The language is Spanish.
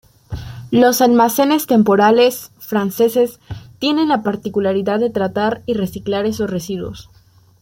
Los almacenes temporales franceses tienen la particularidad de tratar y reciclar esos residuos.